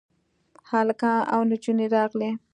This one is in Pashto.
هلکان او نجونې راغلې.